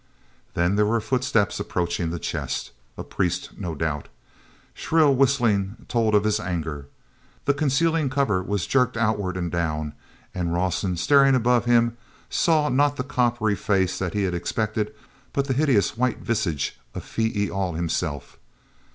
Then there were footsteps approaching the chest. A priest no doubt; shrill whistling told of his anger. The concealing cover was jerked outward and down, and Rawson, staring above him, saw not the coppery face that he had expected, but the hideous white visage of Phee e al himself.